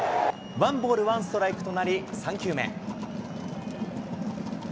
ワンボールワンストライクとなり、３球目。